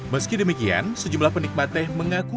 meski demikian sejumlah penikmat teh mengaku